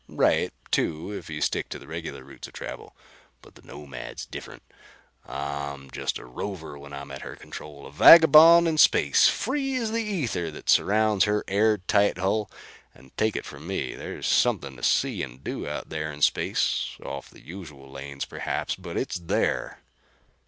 Right, too, if you stick to the regular routes of travel. But the Nomad's different. I'm just a rover when I'm at her controls, a vagabond in space free as the ether that surrounds her air tight hull. And, take it from me, there's something to see and do out there in space. Off the usual lanes, perhaps, but it's there."